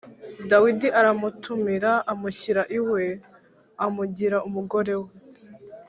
Dawidi aramutumira amushyira iwe, amugira umugore we.